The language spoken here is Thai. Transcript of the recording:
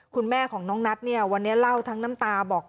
คุณแม่ของน้องนัทเนี่ยวันนี้เล่าทั้งน้ำตาบอก